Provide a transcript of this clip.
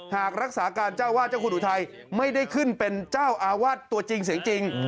หากรักษาการเจ้าวาดเจ้าคุณอุทัยไม่ได้ขึ้นเป็นเจ้าอาวาสตัวจริงเสียงจริง